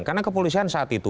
karena kepolisian saat itu